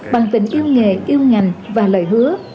bằng tình yêu nghề yêu ngành và lời hứa